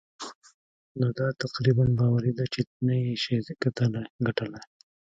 نو دا تقريباً باوري ده چې نه يې شې ګټلای.